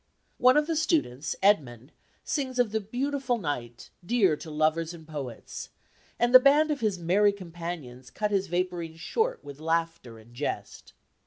One of the students, Edmund, sings of the beautiful night dear to lovers and poets, and the band of his merry companions cut his vapourings short with laughter and jest.